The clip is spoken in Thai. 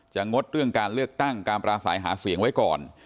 งดเรื่องการเลือกตั้งการปราศัยหาเสียงไว้ก่อน